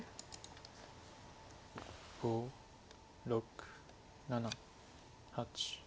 ５６７８。